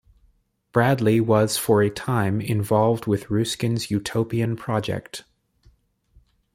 Bradley was for a time involved with Ruskin's utopian project.